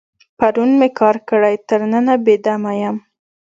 پرون مې کار کړی، تر ننه بې دمه یم.